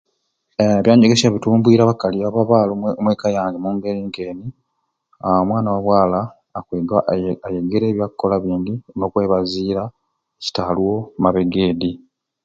Aa ebyanyegesya bitumbwire abakali oba abaala omweka yange omu ngeri nti aa omwana wa bwala akwega aye ayegere ebyakkola bingi n'okwebaziira ekitaaliwo emabega edi.